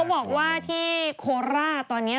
เขาบอกว่าที่โคลร่าตอนนี้